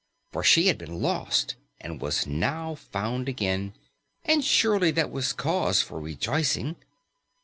For she had been lost and was now found again, and surely that was cause for rejoicing.